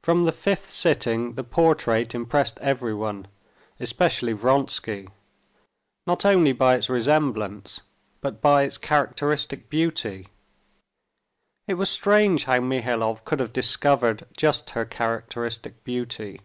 From the fifth sitting the portrait impressed everyone, especially Vronsky, not only by its resemblance, but by its characteristic beauty. It was strange how Mihailov could have discovered just her characteristic beauty.